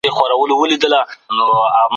د کورنیو توکو کارول هېواد ابادوي.